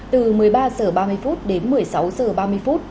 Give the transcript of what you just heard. từ một mươi ba h ba mươi đến một mươi sáu h ba mươi phút